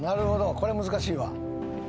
これ難しいわ」